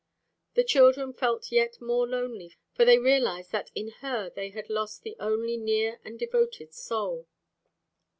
The children felt yet more lonely for they realized that in her they had lost the only near and devoted soul.